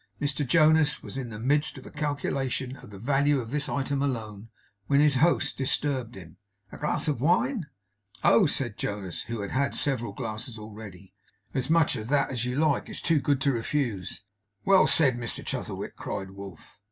Mr Jonas was in the midst of a calculation of the value of this item alone, when his host disturbed him. 'A glass of wine?' 'Oh!' said Jonas, who had had several glasses already. 'As much of that as you like! It's too good to refuse.' 'Well said, Mr Chuzzlewit!' cried Wolf.